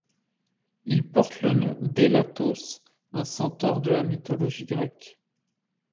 Il porte le nom d'Élatos, un centaure de la mythologie grecque.